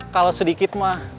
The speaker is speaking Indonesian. kalau sedikit mah